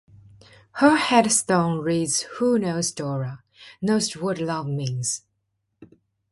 Her headstone reads "Who knows Dora, knows what love means".